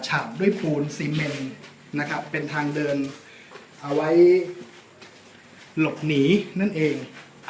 ฉาบด้วยปูนซีเมนนะครับเป็นทางเดินเอาไว้หลบหนีนั่นเอง